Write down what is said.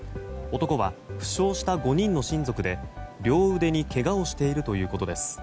男は、負傷した５人の親族で両腕にけがをしているということです。